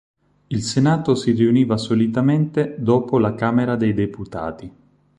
Il Senato si riuniva solitamente dopo la Camera dei Deputati.